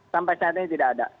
sampai saat ini tidak ada